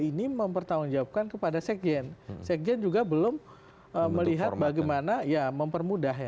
ini mempertanggung jawabkan kepada sekjen sekjen juga belum melihat bagaimana mempermudah